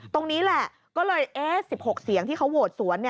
ตรงนี้แหละก็เลย๑๖เสียงที่เขาโหวตสวน